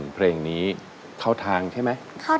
เพลงที่๖ของน้องข้าวหอมมาครับ